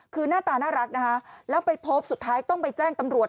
คือหน้าตาน่ารักนะคะแล้วไปพบสุดท้ายต้องไปแจ้งตำรวจ